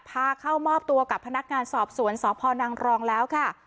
พาเข้ามอบตัวกับพนักงานสอบสวนสพนังรองแล้วค่ะ